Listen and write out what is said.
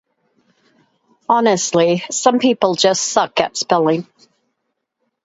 Honestly, some people just suck at spelling.